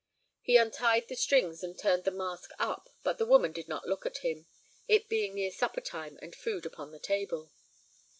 He untied the strings and turned the mask up, but the woman did not look at him, it being near supper time and food upon the table.